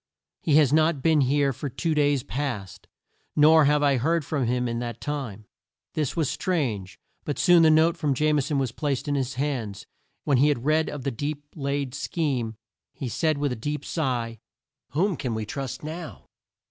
He has not been here for two days past; nor have I heard from him in that time." This was strange; but soon the note from Jame son was placed in his hands, and when he had read of the deep laid scheme, he said with a deep sigh, "Whom can we trust now?"